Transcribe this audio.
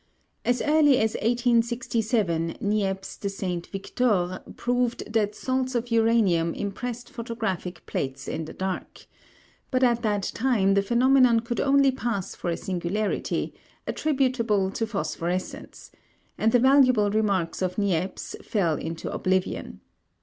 As early as 1867 Niepce de St Victor proved that salts of uranium impressed photographic plates in the dark; but at that time the phenomenon could only pass for a singularity attributable to phosphorescence, and the valuable remarks of Niepce fell into oblivion.